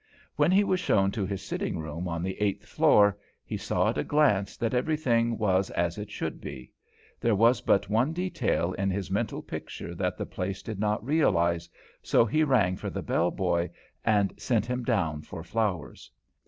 When he was shown to his sitting room on the eighth floor, he saw at a glance that everything was as it should be; there was but one detail in his mental picture that the place did not realize, so he rang for the bell boy and sent him down for flowers.